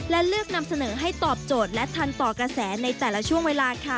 และเลือกนำเสนอให้ตอบโจทย์และทันต่อกระแสในแต่ละช่วงเวลาค่ะ